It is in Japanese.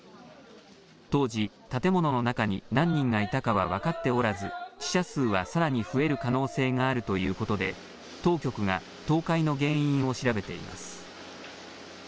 当時、建物の中に何人がいたかは分かっておらず死者数はさらに増える可能性があるということで当局が倒壊の原因を調べています。